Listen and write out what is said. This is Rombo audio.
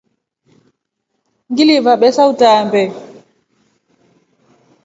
Ngiliiva besa utaambe.